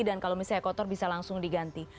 dan kalau misalnya kotor bisa langsung diganti